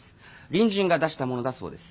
隣人が出したものだそうです。